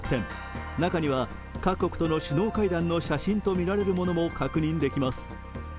中には各国との首脳会談の写真と見られるものも確認できます。